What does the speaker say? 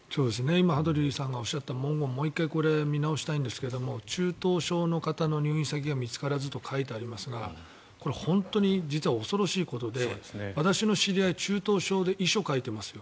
今、羽鳥さんがおっしゃった文言を見直したいんですが中等症の方の入院先が見つからずと書いてありますがこれ、本当に実は恐ろしいことで私の知り合い、中等症で遺書を書いていますよ。